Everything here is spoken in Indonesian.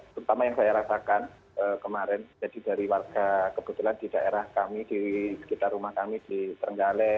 terutama yang saya rasakan kemarin jadi dari warga kebetulan di daerah kami di sekitar rumah kami di trenggale